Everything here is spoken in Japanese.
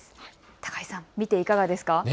高井さん見ていかがですか。